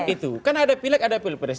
itu kan ada pilek ada pilpres